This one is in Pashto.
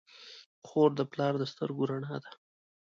خور د پلار د سترګو رڼا ده.